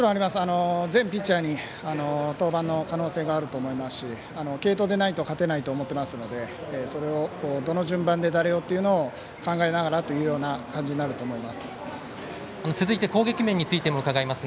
全ピッチャーに登板の可能性があると思いますし継投でないと勝てないと思っていますのでそれをどの順番で誰をというのを考えながらという感じになると思います。